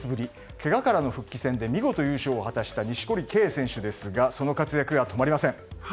けがからの復帰戦で見事優勝を果たした錦織圭選手ですがその活躍が止まりません。